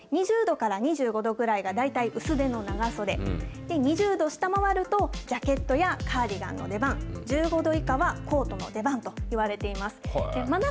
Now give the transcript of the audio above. ２５度以上は半袖、２５度を下回って２０度から２５度くらいが大体薄手の長袖、２０度を下回ると、ジャケットやカーディガンの出番、１５度以下はコートの出番といわれています。